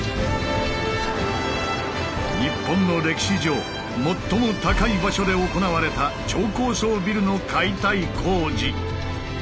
日本の歴史上最も高い場所で行われた超高層ビルの解体工事。